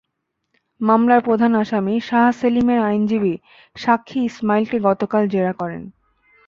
মামলার প্রধান আসামি শাহ সেলিমের আইনজীবী সাক্ষী ইসমাঈলকে গতকাল জেরা করেন।